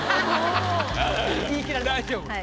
大丈夫。